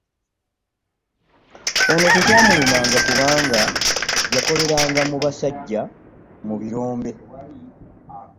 Ono tekyamulumanga kubanga yakoleranga mu basajja mu birombe